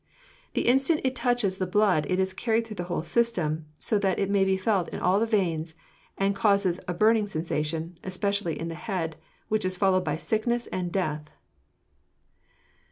The instant it touches the blood it is carried through the whole system, so that it may be felt in all the veins and causes a burning sensation, especially in the head, which is followed by sickness and death."